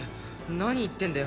何言ってんだよ